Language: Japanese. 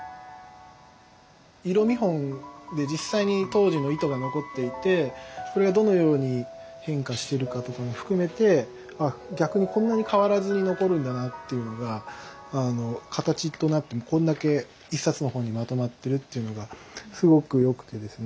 色見本で実際に当時の糸が残っていてそれがどのように変化してるかとかも含めてあ逆にこんなに変わらずに残るんだなっていうのが形となってこんだけ１冊の本にまとまってるっていうのがすごく良くてですね。